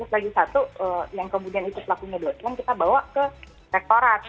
lagi satu yang kemudian itu pelakunya doa ilmu kita bawa ke rektorat